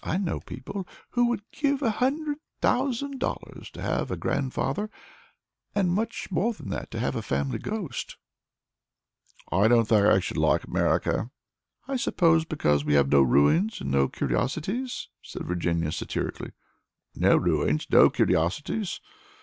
I know lots of people there who would give a hundred thousand dollars to have a grandfather, and much more than that to have a family ghost." "I don't think I should like America." "I suppose because we have no ruins and no curiosities," said Virginia, satirically. "No ruins! no curiosities!"